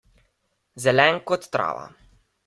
Zelen kot trava.